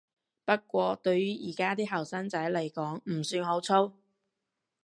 不過對於而家啲後生仔來講唔算好粗